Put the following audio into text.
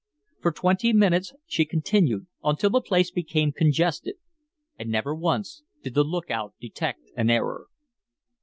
For twenty minutes she continued, until the place became congested, and never once did the lookout detect an error.